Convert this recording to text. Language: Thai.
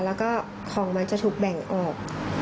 แล้วก็ของมันจะถูกแบ่งออก